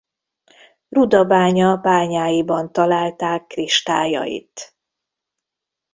Rudabánya bányáiban találták kristályait.